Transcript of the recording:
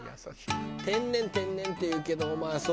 「“天然天然”って言うけどお前それ